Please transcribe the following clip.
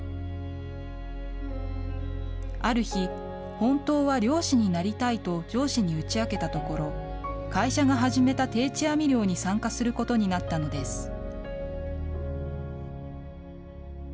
ある日、本当は漁師になりたいと上司に打ち明けたところ、会社が始めた定置網漁に参加することになったのです。